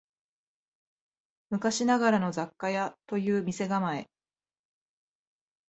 昔ながらの雑貨屋という店構え